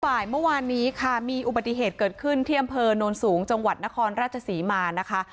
บ่ายเมื่อวานนี้ค่ะมีอุบัติเหตุเกิดขึ้นที่อำเภอโนนสูงจังหวัดนครราชศรีมานะคะ